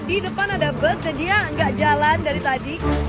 di depan ada bus dan dia nggak jalan dari tadi